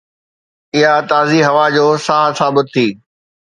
اها تازي هوا جو ساهه ثابت ٿي